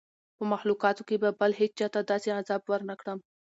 په مخلوقاتو کي به بل هېچا ته داسي عذاب ورنکړم